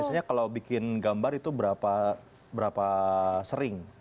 biasanya kalau bikin gambar itu berapa sering